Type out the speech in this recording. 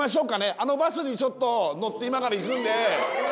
あのバスにちょっと乗って今から行くんで。